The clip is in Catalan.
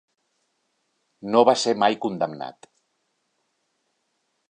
No va ser mai condemnat.